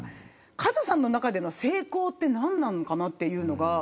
カズさんの中での成功が何なのかなというのが。